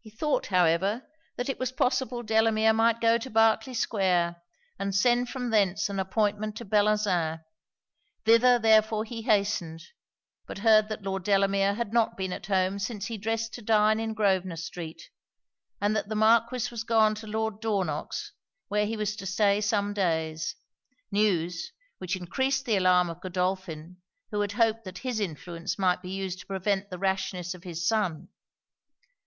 He thought, however, that it was possible Delamere might go to Berkley square, and send from thence an appointment to Bellozane. Thither therefore he hastened; but heard that Lord Delamere had not been at home since he dressed to dine in Grosvenor street, and that the Marquis was gone to Lord Dornock's, where he was to stay some days; news, which encreased the alarm of Godolphin, who had hoped that his influence might be used to prevent the rashness of his son.